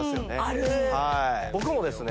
ある僕もですね